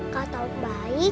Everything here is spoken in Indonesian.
kak tahu baik